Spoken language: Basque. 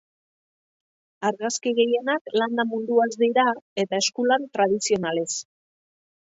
Argazki gehienak landa munduaz dira eta eskulan tradizionalez.